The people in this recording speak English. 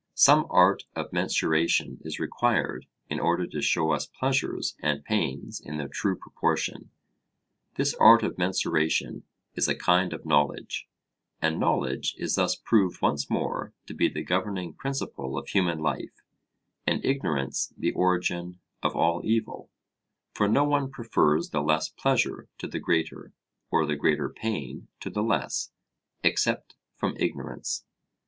Some art of mensuration is required in order to show us pleasures and pains in their true proportion. This art of mensuration is a kind of knowledge, and knowledge is thus proved once more to be the governing principle of human life, and ignorance the origin of all evil: for no one prefers the less pleasure to the greater, or the greater pain to the less, except from ignorance.